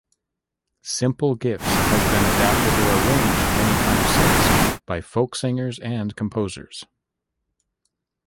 "Simple Gifts" has been adapted or arranged many times since by folksingers and composers.